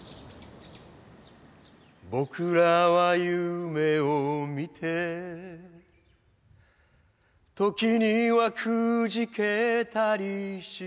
「僕らは夢を見て」「時には挫けたりして」